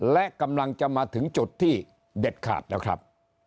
และกำลังจะมาถึงจุดที่เด็ดขาดแล้วครับ